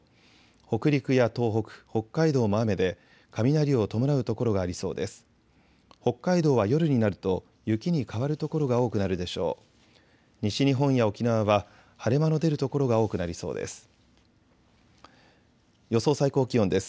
北陸や東北、北海道も雨で雷を伴う所がありそうです。